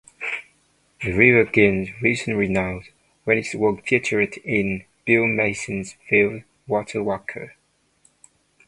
The river gained recent renown when it was featured in Bill Mason's film Waterwalker.